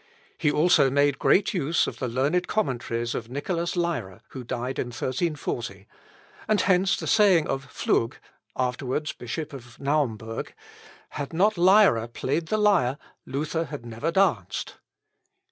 He also made great use of the learned Commentaries of Nicolas Lyra, who died in 1340, and hence the saying of Pflug, afterwards Bishop of Naumbourg, "Had not Lyra played the lyre, Luther had never danced.